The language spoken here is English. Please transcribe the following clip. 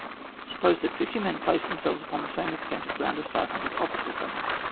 Suppose that 50 men place themselves upon the same extent of ground as 500 opposite to them.